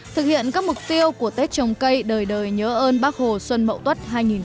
thực hiện các mục tiêu của tết trồng cây đời đời nhớ ơn bác hồ xuân mậu tuất hai nghìn hai mươi